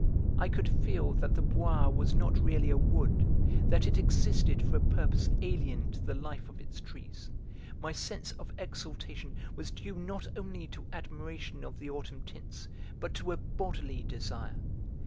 I could feel that the Bois was not really a wood, that it existed for a purpose alien to the life of its trees; my sense of exaltation was due not only to admiration of the autumn tints but to a bodily desire.